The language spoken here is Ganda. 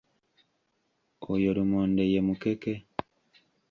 Oyo lumonde ye mukeke.